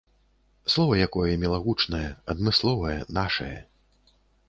Слова якое мілагучнае, адмысловае, нашае.